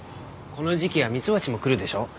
この時期はミツバチも来るでしょう？